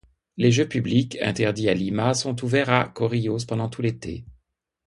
Les jeux publics, interdits à Lima, sont ouverts à Chorillos pendant tout l’été.